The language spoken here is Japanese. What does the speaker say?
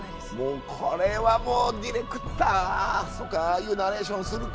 もうこれはもうディレクターそっかああいうナレーションするか。